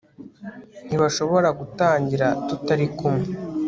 ntibashobora gutangira tutari kumwe